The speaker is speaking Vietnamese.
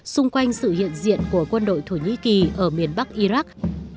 xung quanh sự hiện diện của quân đội thổ nhĩ kỳ ở miền bắc iraq